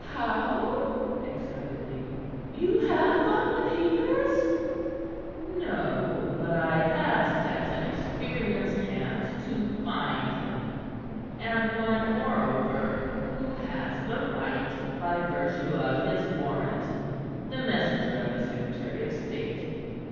"How?" excitedly. "You have got the papers?" "No; but I have set an experienced hand to find them, and one, moreover, who has the right by virtue of his warrant the messenger of the secretary of state."